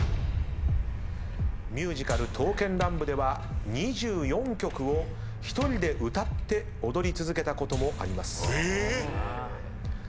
ミュージカル『刀剣乱舞』では２４曲を１人で歌って踊り続けたこともあります。